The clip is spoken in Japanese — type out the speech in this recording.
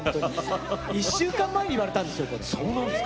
１週間前に言われたんですよ